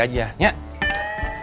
kamu udah siap